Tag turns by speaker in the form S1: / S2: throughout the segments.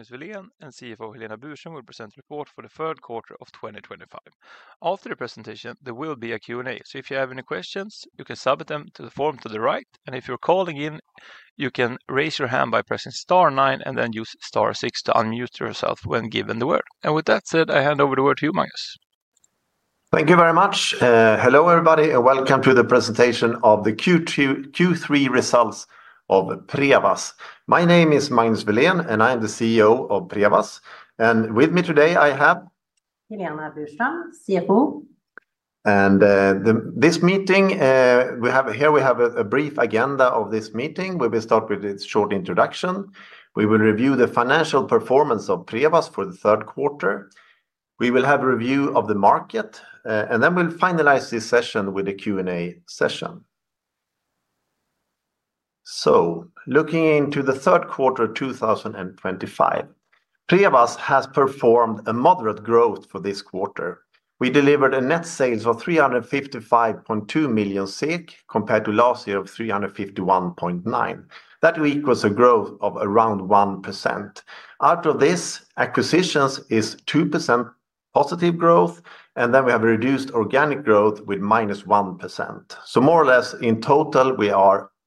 S1: Magnus Welén and CFO Helena Burström will present report for the third quarter of 2025. After the presentation, there will be a Q&A, so if you have any questions, you can submit them to the form to the right. If you're calling in, you can raise your hand by pressing star nine and then use star six to unmute yourself when given the word. With that said, I hand over the word to you, Magnus.
S2: Thank you very much. Hello everybody, and welcome to the presentation of the Q3 results of Prevas. My name is Magnus Welén, and I'm the CEO of Prevas. With me today, I have...
S3: Helena Burström, CFO.
S2: At this meeting, we have a brief agenda. We will start with a short introduction, review the financial performance of Prevas for the third quarter, review the market, and finalize this session with the Q&A session. Looking into the third quarter 2025, Prevas has performed a moderate growth for this quarter. We delivered net sales of 355.2 million compared to last year of 351.9 million. That equals a growth of around 1%. Out of this, acquisitions is 2% positive growth, and then we have a reduced organic growth with minus 1%. More or less, in total, we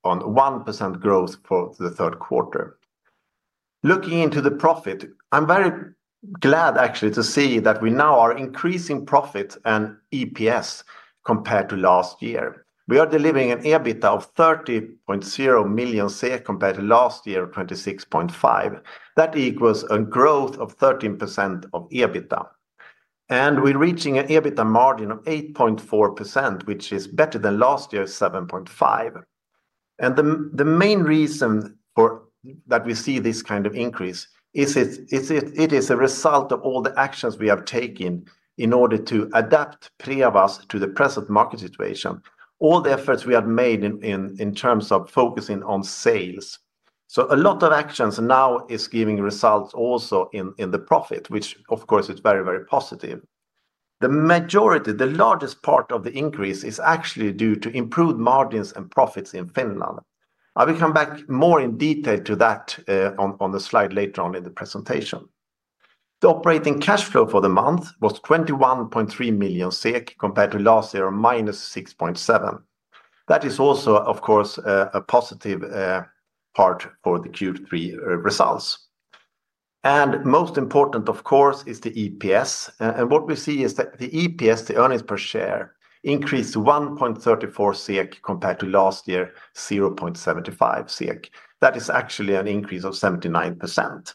S2: are on 1% growth for the third quarter. Looking into the profit, I'm very glad actually to see that we now are increasing profit and EPS compared to last year. We are delivering an EBITDA of 30.0 million compared to last year of 26.5 million. That equals a growth of 13% of EBITDA. We're reaching an EBITDA margin of 8.4%, which is better than last year's 7.5%. The main reason that we see this kind of increase is it is a result of all the actions we have taken in order to adapt Prevas to the present market situation. All the efforts we had made in terms of focusing on sales. A lot of actions now are giving results also in the profit, which of course is very, very positive. The majority, the largest part of the increase, is actually due to improved margins and profits in Finland. I will come back more in detail to that on the slide later on in the presentation. The operating cash flow for the month was 21.3 million SEK compared to last year of minus 6.7 million. That is also, of course, a positive part for the Q3 results. Most important, of course, is the EPS. What we see is that the EPS, the earnings per share, increased 1.34 SEK compared to last year 0.75 SEK. That is actually an increase of 79%.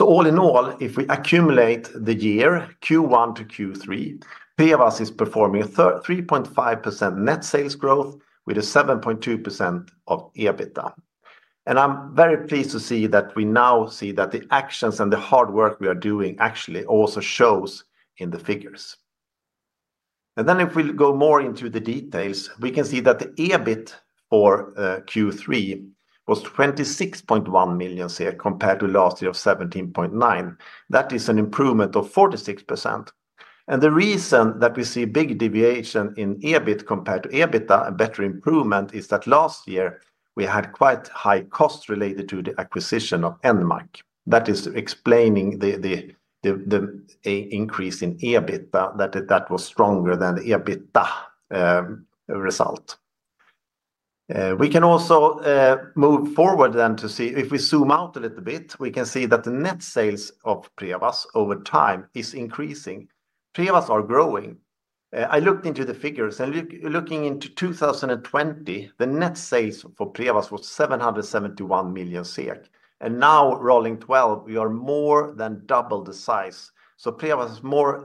S2: All in all, if we accumulate the year, Q1 to Q3, Prevas is performing 3.5% net sales growth with a 7.2% of EBITDA. I'm very pleased to see that we now see that the actions and the hard work we are doing actually also show in the figures. If we go more into the details, we can see that the EBIT for Q3 was 26.1 million compared to last year of 17.9 million. That is an improvement of 46%. The reason that we see a big deviation in EBIT compared to EBITDA, a better improvement, is that last year we had quite high costs related to the acquisition of Enmac Group Oy. That is explaining the increase in EBITDA that was stronger than the EBITDA result. We can also move forward then to see if we zoom out a little bit, we can see that the net sales of Prevas over time are increasing. Prevas are growing. I looked into the figures and looking into 2020, the net sales for Prevas was 771 million SEK. And now rolling 12, we are more than double the size. So Prevas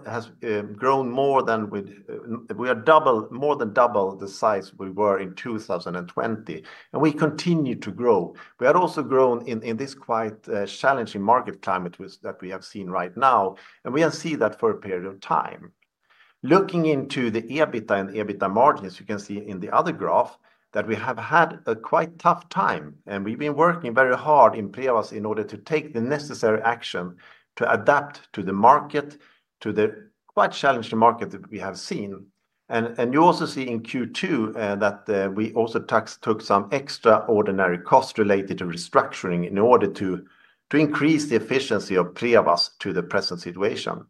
S2: has grown more than we are double, more than double the size we were in 2020. We continue to grow. We have also grown in this quite challenging market climate that we have seen right now. We can see that for a period of time. Looking into the EBITDA and EBITDA margins, you can see in the other graph that we have had a quite tough time. We've been working very hard in Prevas in order to take the necessary action to adapt to the market, to the quite challenging market that we have seen. You also see in Q2 that we also took some extraordinary costs related to restructuring in order to increase the efficiency of Prevas to the present situation.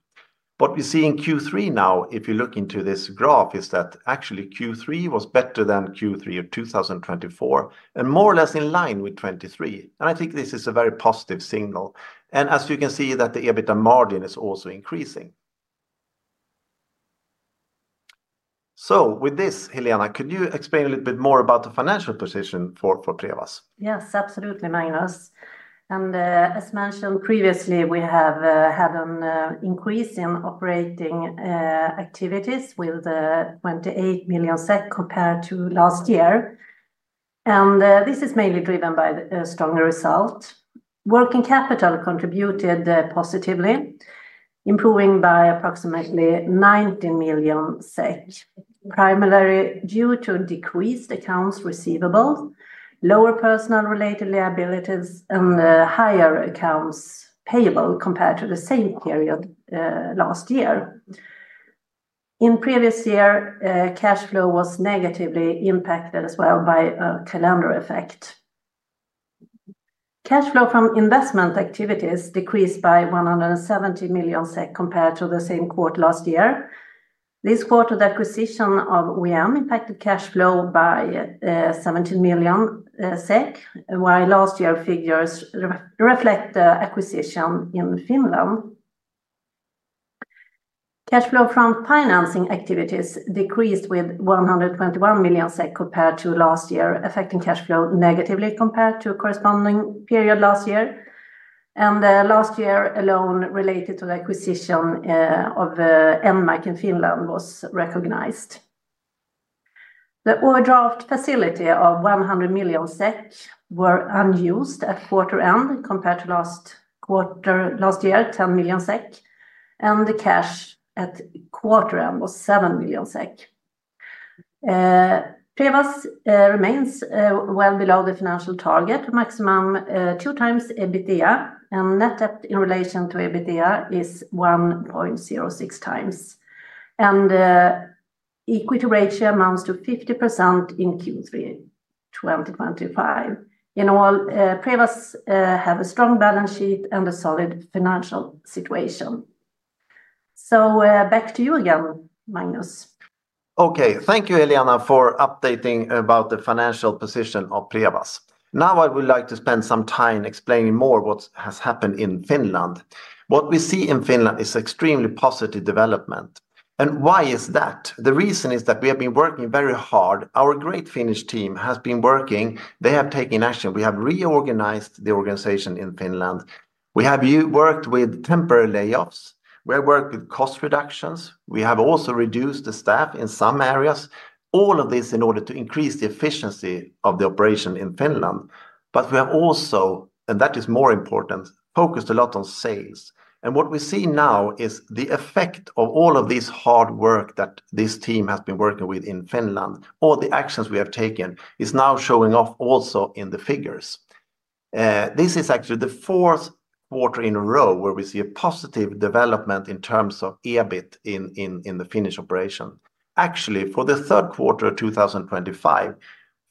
S2: What we see in Q3 now, if you look into this graph, is that actually Q3 was better than Q3 of 2024 and more or less in line with Q3. I think this is a very positive signal. As you can see, the EBITDA margin is also increasing. With this, Helena, could you explain a little bit more about the financial position for Prevas?
S3: Yes, absolutely, Magnus. As mentioned previously, we have had an increase in operating activities with 28 million SEK compared to last year. This is mainly driven by a stronger result. Working capital contributed positively, improving by approximately 19 million, primarily due to decreased accounts receivable, lower personnel-related liabilities, and higher accounts payable compared to the same period last year. In the previous year, cash flow was negatively impacted as well by a calendar effect. Cash flow from investment activities decreased by 170 million SEK compared to the same quarter last year. This quarter's acquisition of OEM Sweden AB impacted cash flow by 17 million SEK, while last year's figures reflect the acquisition in Finland. Cash flow from financing activities decreased by 121 million SEK compared to last year, affecting cash flow negatively compared to the corresponding period last year. Last year's loan related to the acquisition of Enmac Group Oy in Finland was recognized. The overdraft facility of 100 million SEK was unused at quarter end compared to last quarter last year, 10 million SEK. The cash at quarter end was 7 million SEK. Prevas remains well below the financial target, maximum 2times EBITDA, and net debt in relation to EBITDA is 1.06x. The equity ratio amounts to 50% in Q3 2025. In all, Prevas has a strong balance sheet and a solid financial situation. Back to you again, Magnus.
S2: Okay, thank you, Helena, for updating about the financial position of Prevas. Now I would like to spend some time explaining more what has happened in Finland. What we see in Finland is extremely positive development. Why is that? The reason is that we have been working very hard. Our great Finnish team has been working. They have taken action. We have reorganized the organization in Finland. We have worked with temporary layoffs. We have worked with cost reductions. We have also reduced the staff in some areas. All of this is in order to increase the efficiency of the operation in Finland. We have also, and that is more important, focused a lot on sales. What we see now is the effect of all of this hard work that this team has been working with in Finland. All the actions we have taken are now showing off also in the figures. This is actually the fourth quarter in a row where we see a positive development in terms of EBIT in the Finnish operation. For the third quarter of 2025,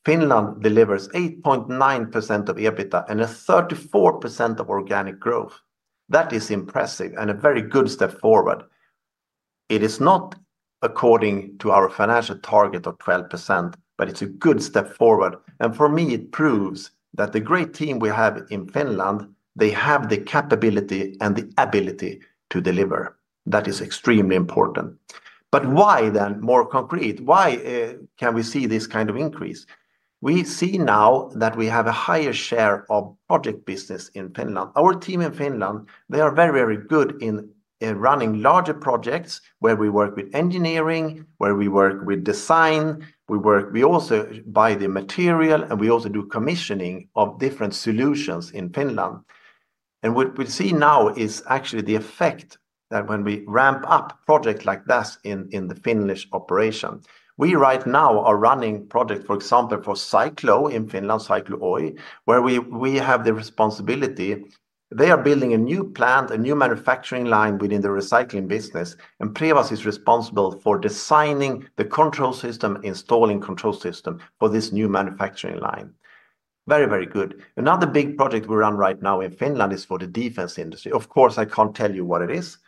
S2: Finland delivers 8.9% of EBITDA and 34% of organic growth. That is impressive and a very good step forward. It is not according to our financial target of 12%, but it's a good step forward. For me, it proves that the great team we have in Finland, they have the capability and the ability to deliver. That is extremely important. More concrete, why can we see this kind of increase? We see now that we have a higher share of project business in Finland. Our team in Finland, they are very, very good in running larger projects where we work with engineering, where we work with design. We work, we also buy the material, and we also do commissioning of different solutions in Finland. What we see now is actually the effect that when we ramp up projects like this in the Finnish operation. We right now are running projects, for example, for Cyclo in Finland, Cyclo Oy, where we have the responsibility. They are building a new plant, a new manufacturing line within the recycling business, and Prevas is responsible for designing the control system, installing the control system for this new manufacturing line. Very, very good. Another big project we run right now in Finland is for the defense industry. Of course, I can't tell you what it is,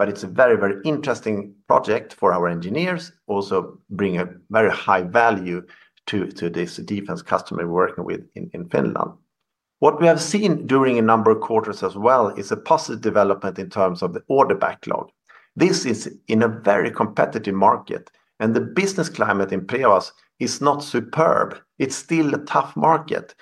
S2: but it's a very, very interesting project for our engineers, also bringing a very high value to this defense customer we're working with in Finland. What we have seen during a number of quarters as well is a positive development in terms of the order backlog. This is in a very competitive market, and the business climate in Prevas is not superb. It's still a tough market.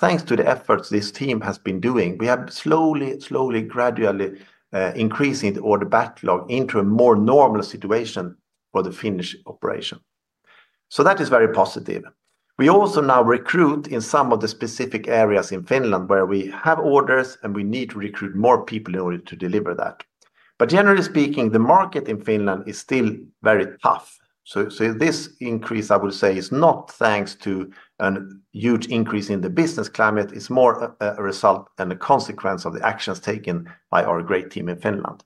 S2: Thanks to the efforts this team has been doing, we have slowly, slowly, gradually increasing the order backlog into a more normal situation for the Finnish operation. That is very positive. We also now recruit in some of the specific areas in Finland where we have orders, and we need to recruit more people in order to deliver that. Generally speaking, the market in Finland is still very tough. This increase, I would say, is not thanks to a huge increase in the business climate. It's more a result and a consequence of the actions taken by our great team in Finland.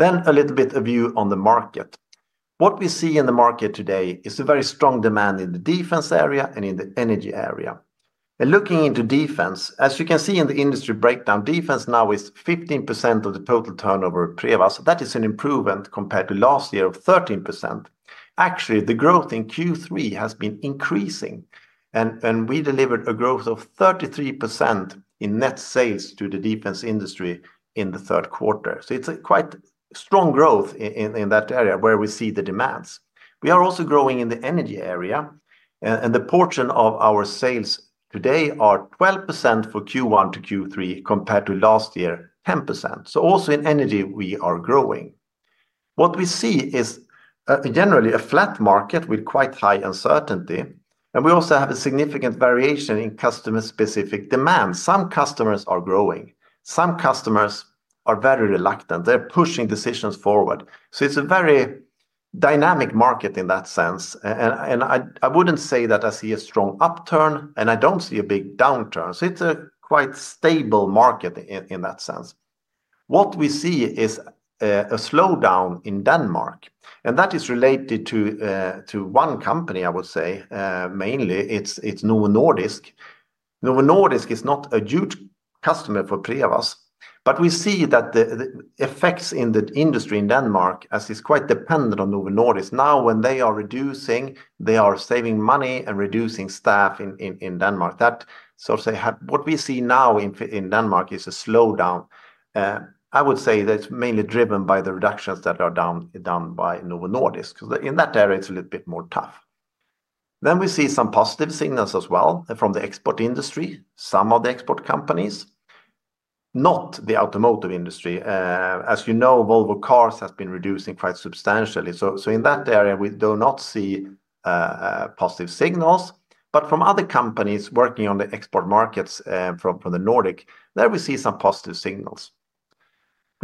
S2: A little bit of view on the market. What we see in the market today is a very strong demand in the defense area and in the energy area. Looking into defense, as you can see in the industry breakdown, defense now is 15% of the total turnover of Prevas. That is an improvement compared to last year of 13%. Actually, the growth in Q3 has been increasing, and we delivered a growth of 33% in net sales to the defense industry in the third quarter. It's a quite strong growth in that area where we see the demands. We are also growing in the energy area, and the portion of our sales today is 12% for Q1 to Q3 compared to last year, 10%. Also in energy, we are growing. What we see is generally a flat market with quite high uncertainty, and we also have a significant variation in customer-specific demand. Some customers are growing. Some customers are very reluctant. They're pushing decisions forward. It's a very dynamic market in that sense. I wouldn't say that I see a strong upturn, and I don't see a big downturn. It's a quite stable market in that sense. What we see is a slowdown in Denmark, and that is related to one company, I would say, mainly. It's Novo Nordisk. Novo Nordisk is not a huge customer for Prevas, but we see that the effects in the industry in Denmark, as it's quite dependent on Novo Nordisk, now when they are reducing, they are saving money and reducing staff in Denmark. That sort of say what we see now in Denmark is a slowdown. I would say that it's mainly driven by the reductions that are done by Novo Nordisk. In that area, it's a little bit more tough. We see some positive signals as well from the export industry, some of the export companies, not the automotive industry. As you know, Volvo Cars has been reducing quite substantially. In that area, we do not see positive signals, but from other companies working on the export markets from the Nordic, there we see some positive signals.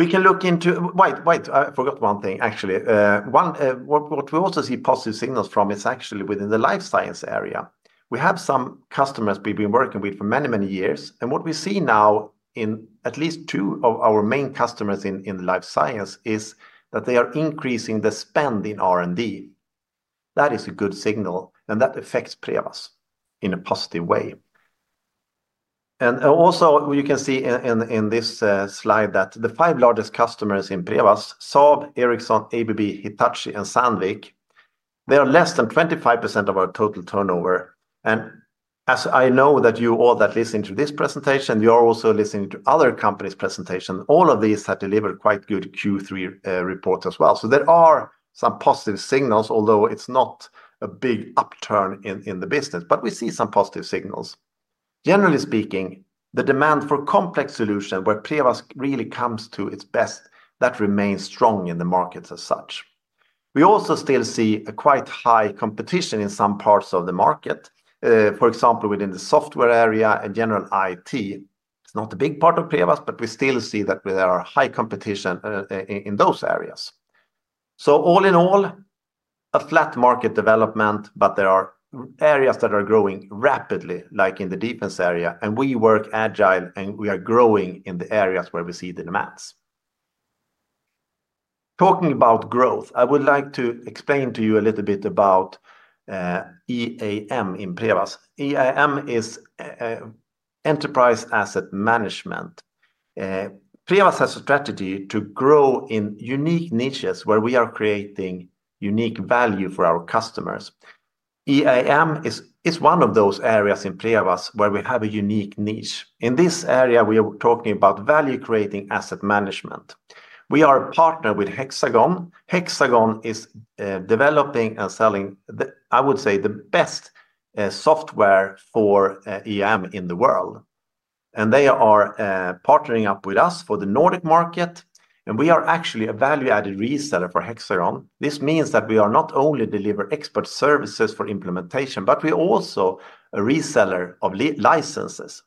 S2: We can look into—wait, I forgot one thing actually. What we also see positive signals from is actually within the life science area. We have some customers we've been working with for many, many years, and what we see now in at least two of our main customers in the life science is that they are increasing the spend in R&D. That is a good signal, and that affects Prevas in a positive way. You can see in this slide that the five largest customers in Prevas, Saab, Ericsson, ABB, Hitachi, and Sandvik, are less than 25% of our total turnover. I know that you all that listen to this presentation are also listening to other companies' presentations. All of these have delivered quite good Q3 reports as well. There are some positive signals, although it's not a big upturn in the business, but we see some positive signals. Generally speaking, the demand for complex solutions where Prevas really comes to its best remains strong in the markets as such. We also still see quite high competition in some parts of the market, for example, within the software area and general IT. It's not a big part of Prevas, but we still see that there is high competition in those areas. All in all, a flat market development, but there are areas that are growing rapidly, like in the defense area, and we work agile, and we are growing in the areas where we see the demands. Talking about growth, I would like to explain to you a little bit about EAM in Prevas. EAM is Enterprise Asset Management. Prevas has a strategy to grow in unique niches where we are creating unique value for our customers. EAM is one of those areas in Prevas where we have a unique niche. In this area, we are talking about value-creating asset management. We are a partner with Hexagon. Hexagon is developing and selling, I would say, the best software for EAM in the world. They are partnering up with us for the Nordic market, and we are actually a value-added reseller for Hexagon. This means that we are not only delivering expert services for implementation, but we are also a reseller of licenses.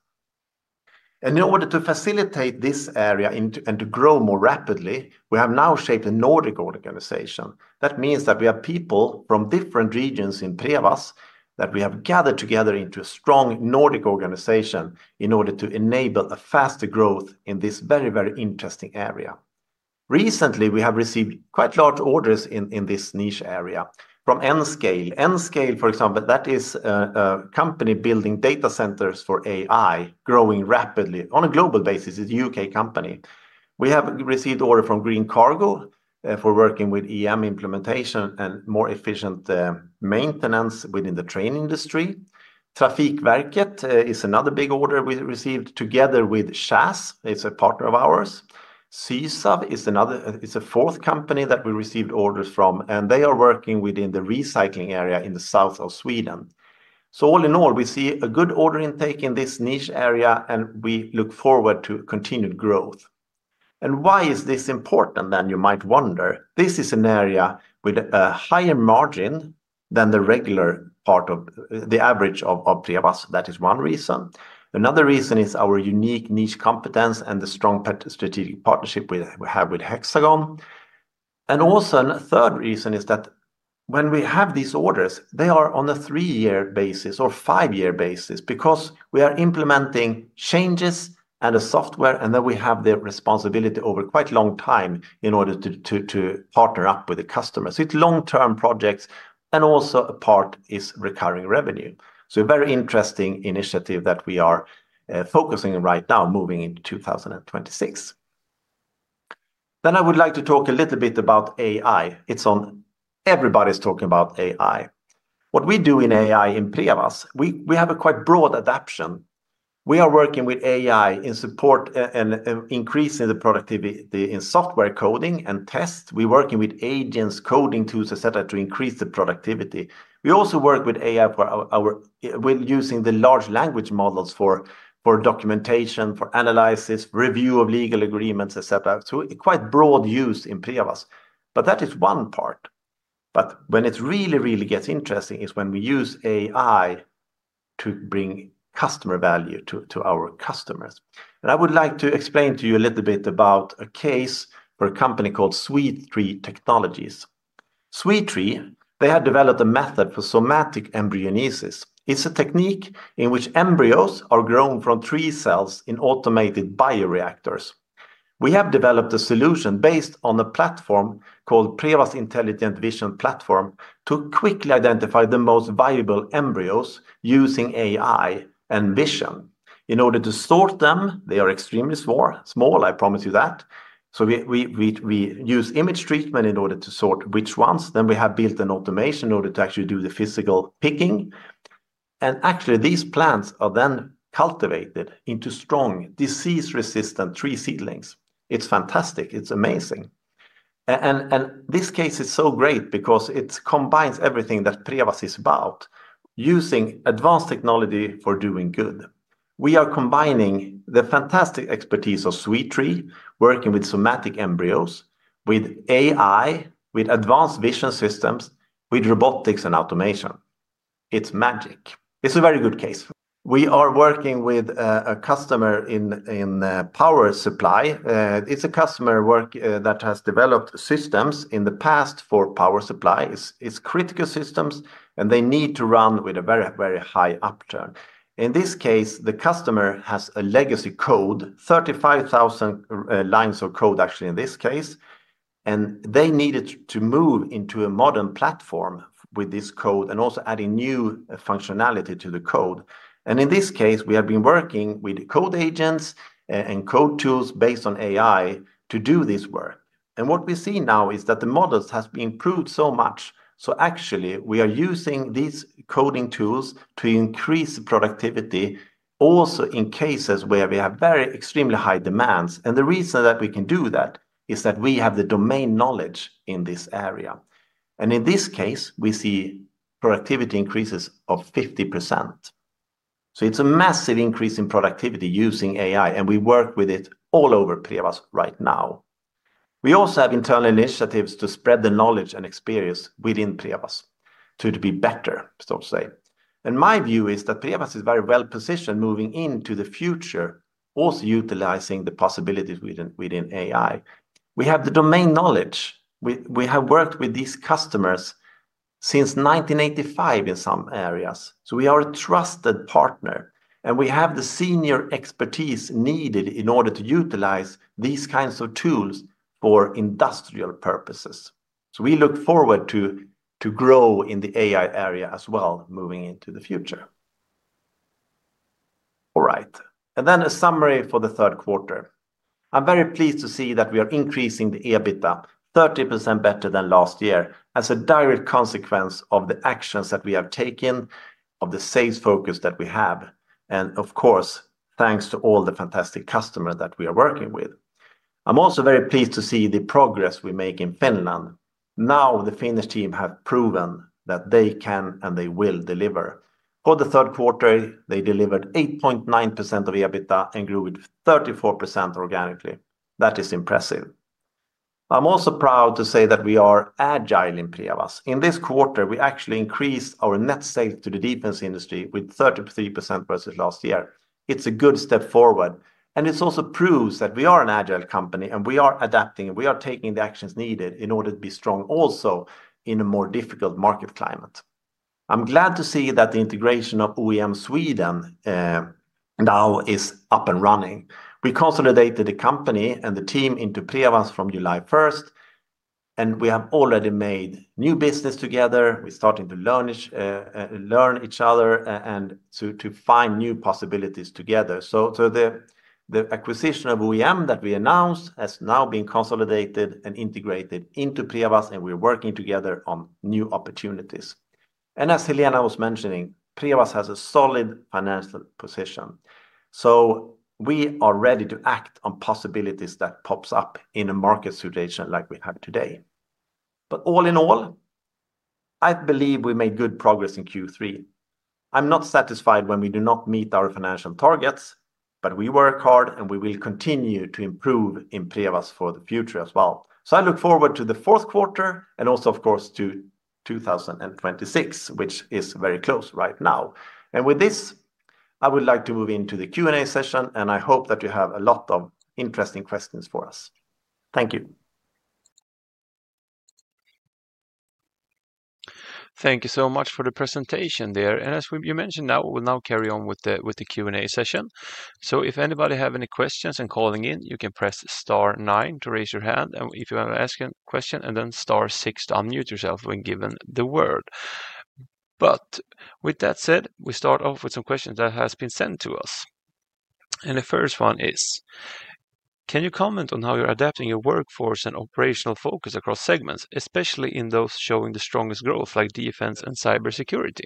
S2: In order to facilitate this area and to grow more rapidly, we have now shaped a Nordic organization. That means that we have people from different regions in Prevas that we have gathered together into a strong Nordic organization in order to enable faster growth in this very, very interesting area. Recently, we have received quite large orders in this niche area from Enscale. Enscale, for example, is a company building data centers for AI, growing rapidly on a global basis. It's a UK company. We have received orders from Green Cargo for working with EAM implementation and more efficient maintenance within the train industry. Trafikverket is another big order we received together with SAS. It's a partner of ours. Sysav is another, it's a fourth company that we received orders from, and they are working within the recycling area in the south of Sweden. All in all, we see a good order intake in this niche area, and we look forward to continued growth. Why is this important then, you might wonder? This is an area with a higher margin than the regular part of the average of Prevas. That is one reason. Another reason is our unique niche competence and the strong strategic partnership we have with Hexagon. Also, a third reason is that when we have these orders, they are on a three-year basis or five-year basis because we are implementing changes and the software, and then we have the responsibility over quite a long time in order to partner up with the customer. It's long-term projects, and also a part is recurring revenue. A very interesting initiative that we are focusing on right now, moving into 2026. I would like to talk a little bit about AI. Everybody's talking about AI. What we do in AI in Prevas, we have a quite broad adoption. We are working with AI in support and increasing the productivity in software coding and tests. We're working with agents, coding tools, etc., to increase the productivity. We also work with AI for our, we're using the large language models for documentation, for analysis, review of legal agreements, etc. Quite broad use in Prevas. That is one part. When it really, really gets interesting is when we use AI to bring customer value to our customers. I would like to explain to you a little bit about a case for a company called Sweet Tree Technologies. Sweet Tree, they have developed a method for somatic embryonesis. It's a technique in which embryos are grown from tree cells in automated bioreactors. We have developed a solution based on a platform called Prevas Intelligent Vision Platform to quickly identify the most valuable embryos using AI and vision. In order to sort them, they are extremely small, I promise you that. We use image treatment in order to sort which ones. We have built an automation in order to actually do the physical picking. These plants are then cultivated into strong disease-resistant tree seedlings. It's fantastic. It's amazing. This case is so great because it combines everything that Prevas is about, using advanced technology for doing good. We are combining the fantastic expertise of Sweet Tree, working with somatic embryos, with AI, with advanced vision systems, with robotics and automation. It's magic. It's a very good case. We are working with a customer in power supply. It's a customer that has developed systems in the past for power supply. It's critical systems, and they need to run with a very, very high upturn. In this case, the customer has a legacy code, 35,000 lines of code, actually, in this case. They needed to move into a modern platform with this code and also adding new functionality to the code. In this case, we have been working with code agents and code tools based on AI to do this work. What we see now is that the models have improved so much. We are using these coding tools to increase the productivity, also in cases where we have very extremely high demands. The reason that we can do that is that we have the domain knowledge in this area. In this case, we see productivity increases of 50%. It's a massive increase in productivity using AI, and we work with it all over Prevas right now. We also have internal initiatives to spread the knowledge and experience within Prevas to be better, so to say. My view is that Prevas is very well positioned moving into the future, also utilizing the possibilities within AI. We have the domain knowledge. We have worked with these customers since 1985 in some areas. We are a trusted partner, and we have the senior expertise needed in order to utilize these kinds of tools for industrial purposes. We look forward to growing in the AI area as well, moving into the future. All right. A summary for the third quarter. I'm very pleased to see that we are increasing the EBITDA 30% better than last year as a direct consequence of the actions that we have taken, of the sales focus that we have, and of course, thanks to all the fantastic customers that we are working with. I'm also very pleased to see the progress we make in Finland. Now the Finnish team has proven that they can and they will deliver. For the third quarter, they delivered 8.9% of EBITDA and grew with 34% organically. That is impressive. I'm also proud to say that we are agile in Prevas. In this quarter, we actually increased our net sales to the defense industry with 33% versus last year. It's a good step forward. It also proves that we are an agile company, and we are adapting, and we are taking the actions needed in order to be strong also in a more difficult market climate. I'm glad to see that the integration of OEM Sweden AB now is up and running. We consolidated the company and the team into Prevas from July 1, and we have already made new business together. We're starting to learn each other and to find new possibilities together. The acquisition of OEM Sweden AB that we announced has now been consolidated and integrated into Prevas, and we're working together on new opportunities. As Helena was mentioning, Prevas has a solid financial position. We are ready to act on possibilities that pop up in a market situation like we have today. All in all, I believe we made good progress in Q3. I'm not satisfied when we do not meet our financial targets, but we work hard, and we will continue to improve in Prevas for the future as well. I look forward to the fourth quarter and also, of course, to 2026, which is very close right now. With this, I would like to move into the Q&A session, and I hope that you have a lot of interesting questions for us. Thank you.
S1: Thank you so much for the presentation there. As you mentioned, we will now carry on with the Q&A session. If anybody has any questions and is calling in, you can press star nine to raise your hand. If you want to ask a question, then star six to unmute yourself when given the word. With that said, we start off with some questions that have been sent to us. The first one is, can you comment on how you're adapting your workforce and operational focus across segments, especially in those showing the strongest growth, like defense and cybersecurity?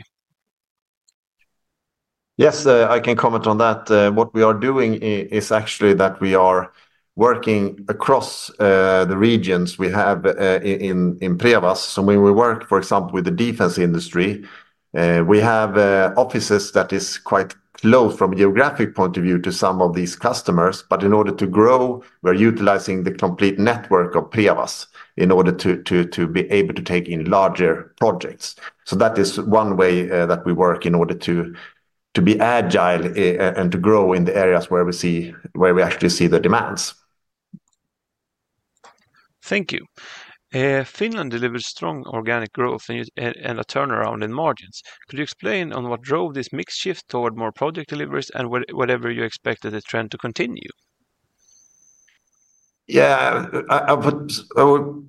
S2: Yes, I can comment on that. What we are doing is actually that we are working across the regions we have in Prevas. When we work, for example, with the defense industry, we have offices that are quite close from a geographic point of view to some of these customers. In order to grow, we're utilizing the complete network of Prevas in order to be able to take in larger projects. That is one way that we work in order to be agile and to grow in the areas where we see where we actually see the demands.
S1: Thank you. Finland delivers strong organic growth and a turnaround in margins. Could you explain on what drove this mixed shift toward more project deliveries, and whether you expect the trend to continue?
S2: I would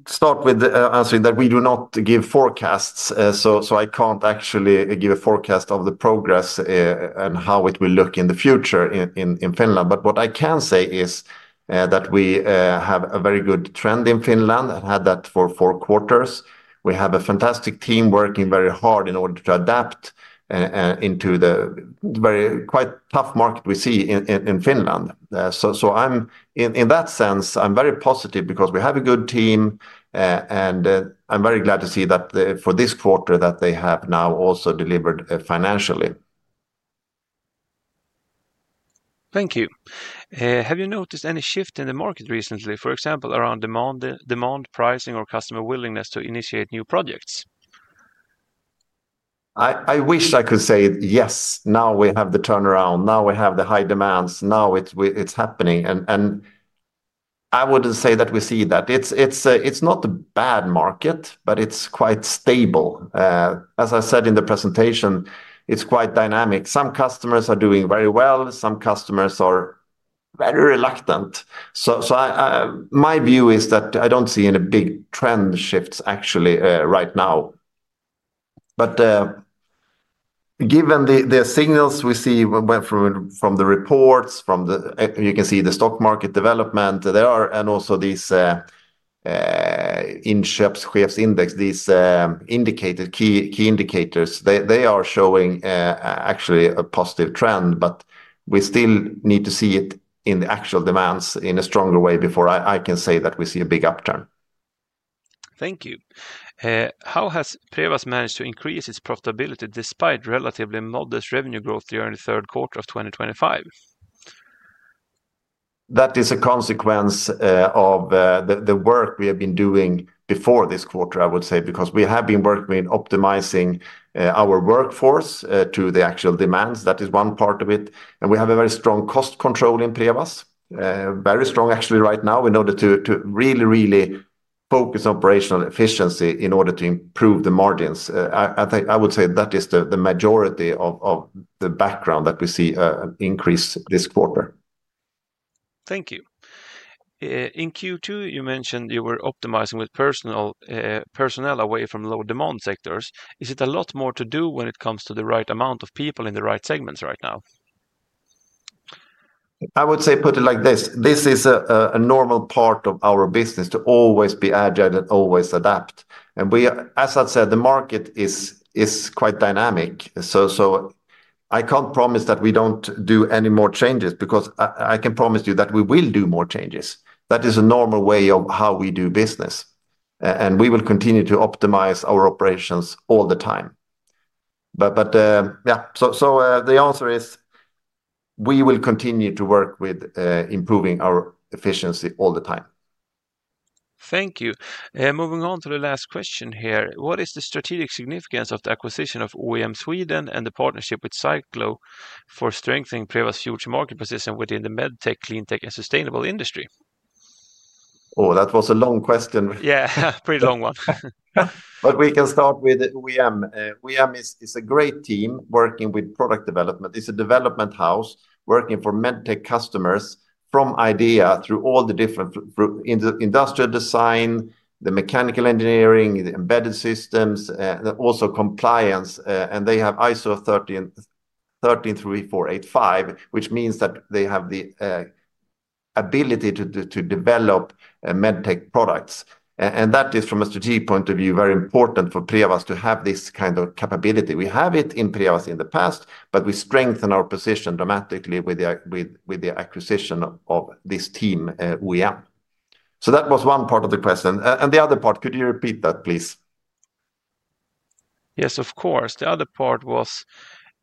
S2: start with answering that we do not give forecasts, so I can't actually give a forecast of the progress and how it will look in the future in Finland. What I can say is that we have a very good trend in Finland and had that for four quarters. We have a fantastic team working very hard in order to adapt into the very tough market we see in Finland. In that sense, I'm very positive because we have a good team, and I'm very glad to see that for this quarter they have now also delivered financially.
S1: Thank you. Have you noticed any shift in the market recently, for example, around demand, pricing, or customer willingness to initiate new projects?
S2: I wish I could say yes. Now we have the turnaround. Now we have the high demands. Now it's happening. I wouldn't say that we see that. It's not a bad market, but it's quite stable. As I said in the presentation, it's quite dynamic. Some customers are doing very well. Some customers are very reluctant. My view is that I don't see any big trend shifts actually right now. Given the signals we see from the reports, you can see the stock market development, and also these Inch Up Shifts Index, these key indicators, they are showing actually a positive trend. We still need to see it in the actual demands in a stronger way before I can say that we see a big upturn.
S1: Thank you. How has Prevas managed to increase its profitability despite relatively modest revenue growth during the third quarter of 2025?
S2: That is a consequence of the work we have been doing before this quarter, I would say, because we have been working on optimizing our workforce to the actual demands. That is one part of it. We have a very strong cost control in Prevas, very strong actually right now in order to really, really focus operational efficiency in order to improve the margins. I would say that is the majority of the background that we see an increase this quarter.
S1: Thank you. In Q2, you mentioned you were optimizing with personnel away from low demand sectors. Is it a lot more to do when it comes to the right amount of people in the right segments right now?
S2: I would say put it like this. This is a normal part of our business to always be agile and always adapt. As I said, the market is quite dynamic. I can't promise that we don't do any more changes because I can promise you that we will do more changes. That is a normal way of how we do business, and we will continue to optimize our operations all the time. The answer is we will continue to work with improving our efficiency all the time.
S1: Thank you. Moving on to the last question here. What is the strategic significance of the acquisition of OEM Sweden AB and the partnership with Cyclo for strengthening Prevas' future market position within the med tech, clean tech, and sustainable industry?
S2: Oh, that was a long question.
S1: Yeah, pretty long one.
S2: We can start with OEM. OEM is a great team working with product development. It's a development house working for med tech customers from idea through all the different industrial design, the mechanical engineering, the embedded systems, and also compliance. They have ISO 13485, which means that they have the ability to develop med tech products. That is, from a strategic point of view, very important for Prevas to have this kind of capability. We have it in Prevas in the past, but we strengthen our position dramatically with the acquisition of this team, OEM. That was one part of the question. The other part, could you repeat that, please?
S1: Yes, of course. The other part was,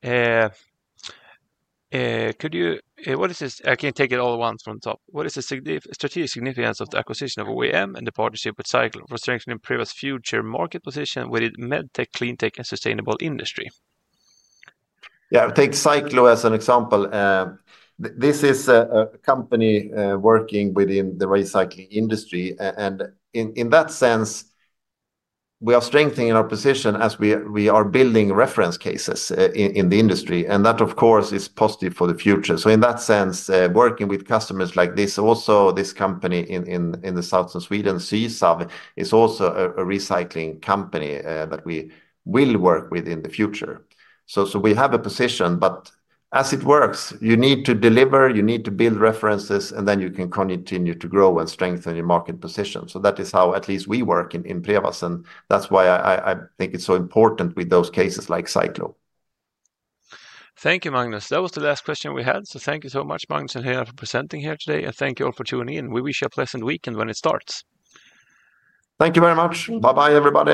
S1: could you, what is this, I can't take it all at once from the top. What is the strategic significance of the acquisition of OEM Sweden AB and the partnership with Cyclo for strengthening Prevas' future market position within med tech, clean tech, and sustainable industry?
S2: Yeah, I'll take Cyclo as an example. This is a company working within the recycling industry. In that sense, we are strengthening our position as we are building reference cases in the industry. That, of course, is positive for the future. In that sense, working with customers like this, also this company in the south of Sweden, Sysav, is also a recycling company that we will work with in the future. We have a position, but as it works, you need to deliver, you need to build references, and then you can continue to grow and strengthen your market position. That is how at least we work in Prevas. That's why I think it's so important with those cases like Cyclo.
S1: Thank you, Magnus. That was the last question we had. Thank you so much, Magnus and Helena, for presenting here today. Thank you all for tuning in. We wish you a pleasant weekend when it starts.
S2: Thank you very much. Bye-bye, everybody.